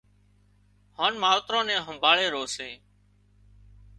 هانَ ماوتران نين همڀاۯي رو سي